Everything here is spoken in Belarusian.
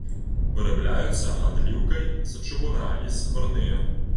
Вырабляюцца адліўкай з чыгуна і зварныя.